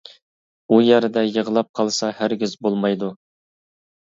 ئۇ يەردە يىغلاپ قالسا ھەرگىز بولمايدۇ.